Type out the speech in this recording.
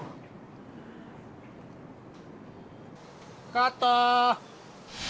カット。